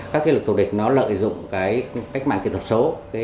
các thế lực thù địch lợi dụng cách mạng kỹ thuật số